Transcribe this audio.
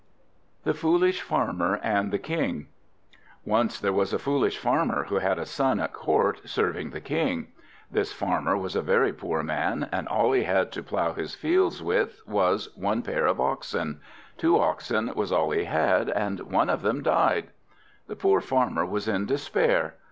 THE FOOLISH FARMER AND THE KING Once there was a foolish Farmer, who had a son at court, serving the King. This Farmer was a very poor man, and all he had to plough his fields with was one pair of oxen. Two oxen was all he had, and one of them died. The poor Farmer was in despair.